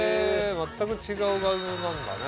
全く違う画像なんだね。